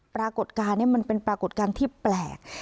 ปรากฏการณ์นี้มันเป็นปรากฏการณ์ที่แปลก